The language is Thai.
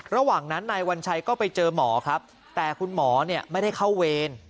ระหว่างนั้นนายวัญชัยก็ไปเจอหมอครับแต่คุณหมอเนี่ยไม่ได้เข้าเวร